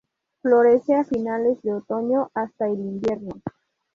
Florece a finales de otoño hasta el invierno.